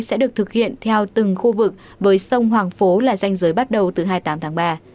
sẽ được thực hiện theo từng khu vực với sông hoàng phố là danh giới bắt đầu từ hai mươi tám tháng ba